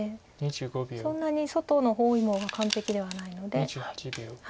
そんなに外の包囲網が完璧ではないので。